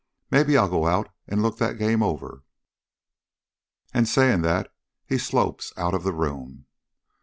Maybe I'll go out and look that game over.' "And saying that he slopes out of the room.